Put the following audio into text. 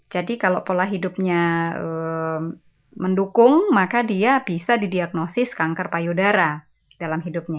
jadi kalau pola hidupnya mendukung maka dia bisa didiagnosis kanker payudara dalam hidupnya